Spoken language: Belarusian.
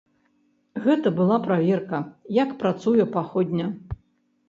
Гэта была праверка, як працуе паходня.